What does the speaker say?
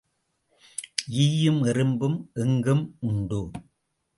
ஈயும் எறும்பும் எங்கும் உண்டு.